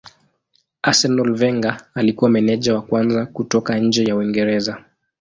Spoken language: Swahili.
Arsenal Wenger alikuwa meneja wa kwanza kutoka nje ya Uingereza.